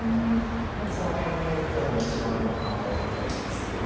多分その辺を一番に考えてると思うんですけど。